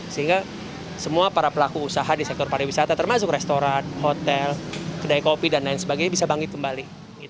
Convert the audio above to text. sehingga semua para pelaku usaha di sektor pariwisata termasuk restoran hotel kedai kopi dan lain sebagainya bisa bangkit kembali